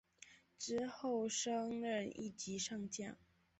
之后升任一级上将。